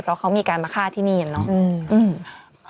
เพราะเขามีการมาฆ่าที่นี่เนาะ